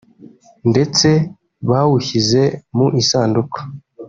ndetse bawushyize mu isanduku